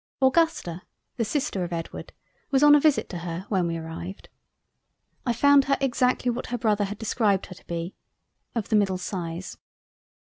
Augusta, the sister of Edward was on a visit to her when we arrived. I found her exactly what her Brother had described her to be—of the middle size.